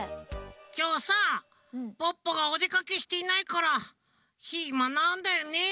きょうさポッポがおでかけしていないからひまなんだよね。